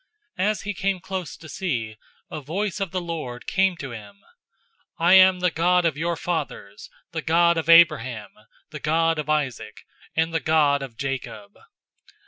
As he came close to see, a voice of the Lord came to him, 007:032 'I am the God of your fathers, the God of Abraham, the God of Isaac, and the God of Jacob.'